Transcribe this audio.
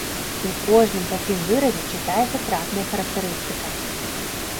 У кожным такім выразе чытаецца трапная характарыстыка.